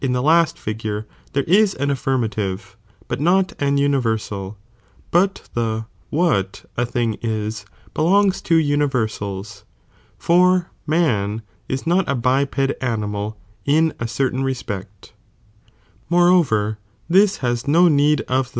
the iet the last figure, there is an affirmative, but not an '""°°»^™' universal; but the what a thing is belongs to ji™cicon" tmirersab, for man is not a biped animal in a denied e; ihii certain respect Moreover this has no need of ™f.